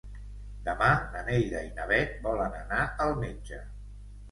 Demà na Neida i na Bet volen anar al metge.